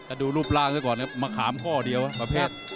จะดูรูปร่างด้วยก่อนครับมะขามข้อเดียวประเภท